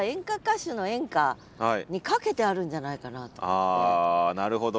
私はあなるほど。